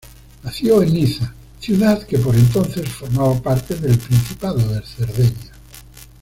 Nació en Niza, ciudad que por entonces formaba parte del Principado de Cerdeña.